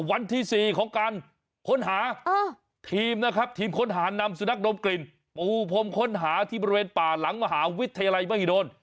วันที่๔ของการค้นหาทีมนะครับทีมค้นหานำสุนัขดมกลิ่นปูพรมค้นหาที่บริเวณป่าหลังมหาวิทยาลัยมหิดล